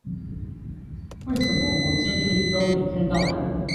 為什麼我進去都沒看到人